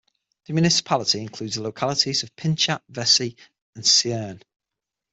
The municipality includes the localities of Pinchat, Vessy and Sierne.